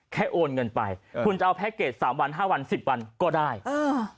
โอนเงินไปคุณจะเอาแพ็คเกจสามวันห้าวันสิบวันก็ได้เออ